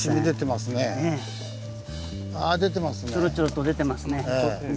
あ出てますね。